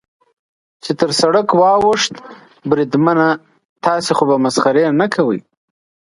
چې تر سړک واوښت، بریدمنه، تاسې خو به مسخرې نه کوئ.